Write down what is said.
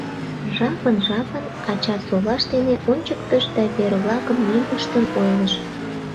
Жапын-жапын ача солаж дене ончыктыш да вер-влакын лӱмыштым ойлыш.